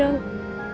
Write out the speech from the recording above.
berdua dulu deh